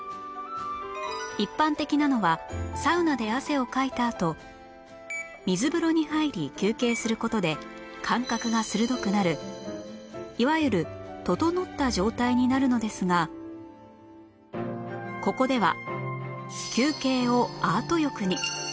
一般的なのはサウナで汗をかいたあと水風呂に入り休憩する事で感覚が鋭くなるいわゆるととのった状態になるのですがここでは休憩をアート浴に